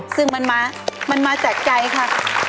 ซึ่งมันมาจากใจค่ะ